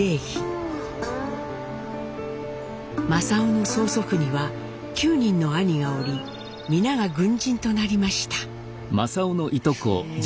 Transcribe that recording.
正雄の曽祖父には９人の兄がおり皆が軍人となりました。